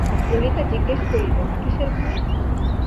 ললিতা জিজ্ঞাসা করিল, কিসের ভয়?